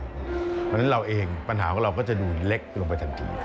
เพราะฉะนั้นเราเองปัญหาของเราก็จะดูเล็กลงไปทันที